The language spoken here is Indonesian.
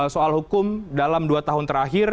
soal hukum dalam dua tahun terakhir